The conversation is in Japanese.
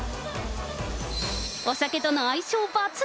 お酒との相性抜群。